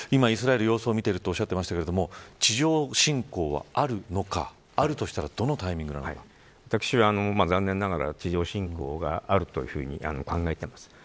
今、イスラエルは様子を見ているということですが地上侵攻はあるのかあるとしたら私は残念ながら地上侵攻があるというふうに考えています。